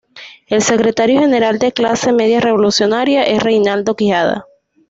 El Secretario General de Clase Media Revolucionaria es Reinaldo Quijada.